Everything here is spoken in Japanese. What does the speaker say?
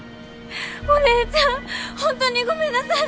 お姉ちゃんほんとにごめんなさい